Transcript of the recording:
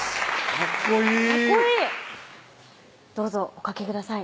かっこいいかっこいいどうぞおかけください